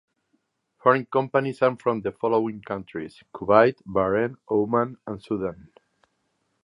Foreign companies are from the following countries: Kuwait, Bahrain, Oman, and Sudan.